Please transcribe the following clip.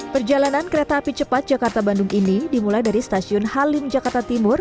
perjalanan kereta api cepat jakarta bandung ini dimulai dari stasiun halim jakarta timur